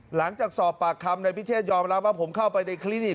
หลังจากสอบปากคำในพิเชษยอมรับว่าผมเข้าไปในคลินิก